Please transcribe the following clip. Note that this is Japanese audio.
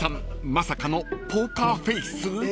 まさかのポーカーフェース？］